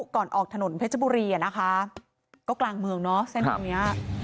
ก่อนออกถนนเพชรบุรีอ่ะนะคะก็กลางเมืองเนาะเส้นตรงเนี้ย